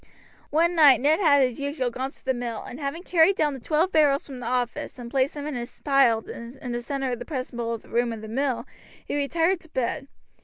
One night Ned had as usual gone to the mill, and having carried down the twelve barrels from the office and placed them in a pile in the center of the principal room of the mill he retired to bed.